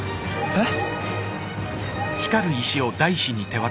えっ？